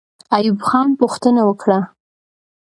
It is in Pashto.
ایوب خان پوښتنه وکړه.